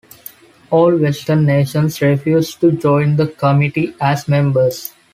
All Western nations refused to join the committee as members.